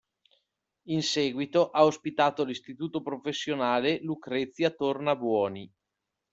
In seguito ha ospitato l'Istituto professionale Lucrezia Tornabuoni.